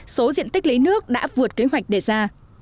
số diện tích lấy nước đã vượt kế hoạch đề ra